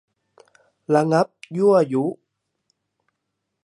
ระงับยั่วยุ